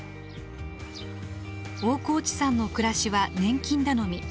大河内さんの暮らしは年金頼み。